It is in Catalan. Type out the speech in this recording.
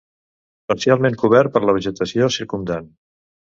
Parcialment cobert per la vegetació circumdant.